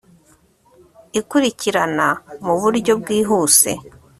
ikurikirana muburyo bwihuse